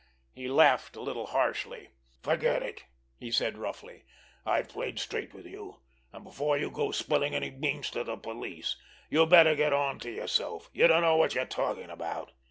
He laughed a little harshly. "Forget it!" he said roughly. "I've played straight with you, and before you go spilling any beans to the police you'd better get onto yourself. You don't know what you're talking about!"